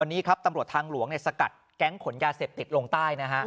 วันนี้ครับตำรวจทางหลวงสกัดแก๊งขนยาเสพติดลงใต้นะฮะ